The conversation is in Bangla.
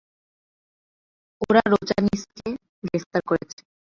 ওরা রোচানিসকে গ্রেফতার করেছে।